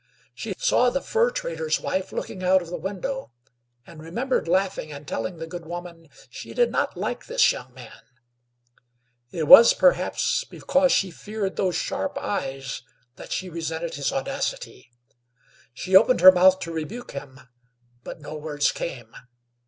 She saw the fur trader's wife looking out of the window, and remembered laughing and telling the good woman she did not like this young man; it was, perhaps, because she feared those sharp eyes that she resented his audacity. She opened her mouth to rebuke him; but no words came.